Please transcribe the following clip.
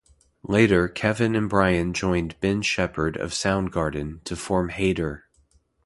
Later Kevin and Brian joined Ben Shepherd of Soundgarden, to form Hater.